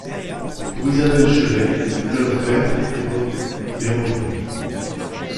Pour Isabelle Chelley, le vers ' évoque l'héroïne.